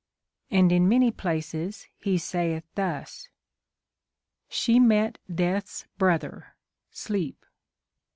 311 And in many places lie saith thus, — Slie met Death's brother, Sleep.